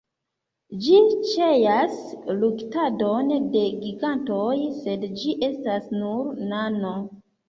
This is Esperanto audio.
Ĝi ĉeas luktadon de gigantoj, sed ĝi estas nur nano.